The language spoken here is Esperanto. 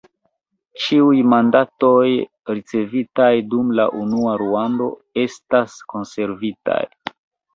Ĉiuj mandatoj ricevitaj dum la unua raŭndo estas konservitaj.